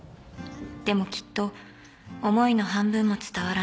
［でもきっと思いの半分も伝わらない］